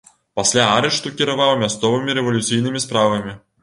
Пасля арышту кіраваў мясцовымі рэвалюцыйнымі справамі.